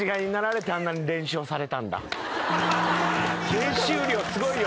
練習量すごいよ。